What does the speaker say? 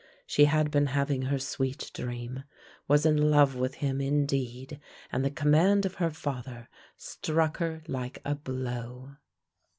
She had been having her sweet dream, was in love with him, indeed, and the command of her father struck her like a blow.